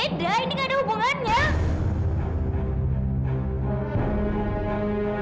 indi gak ada hubungannya